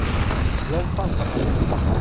ล้มคว่ำคะมำหงาย